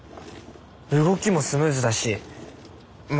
動きもスムーズだしま